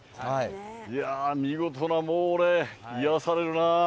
いやぁ、見事なもうね、癒やされるな。